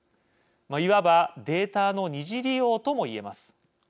いわばデータの二次利用とも言えます。